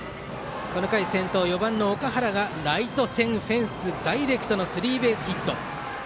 この回、先頭４番の岳原がライト線フェンスダイレクトのスリーベースヒット。